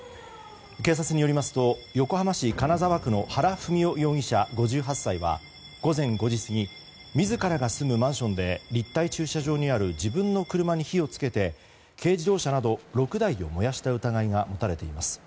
警察によりますと横浜市金沢区の原文雄容疑者、５８歳は午前５時過ぎ自らが住むマンションで立体駐車場にある自分の車に火を付けて軽自動車など６台を燃やした疑いが持たれています。